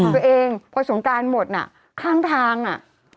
ตัวเองพอสงการหมดน่ะข้างทางอ่ะ